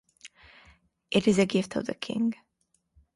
It is a gift of the king.